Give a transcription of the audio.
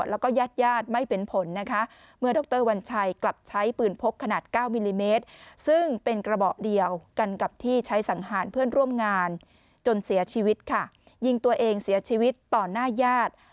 หารเพื่อนร่วมงานจนเสียชีวิตค่ะยิงตัวเองเสียชีวิตต่อหน้าญาติ